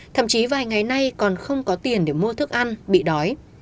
thậm chí vài ngày nay còn không có tiền để mua thức ăn bị đói